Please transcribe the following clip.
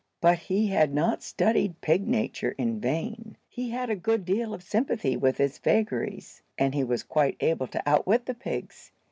But he had not studied pig nature in vain. He had a good deal of sympathy with its vagaries, and he was quite able to outwit the pigs.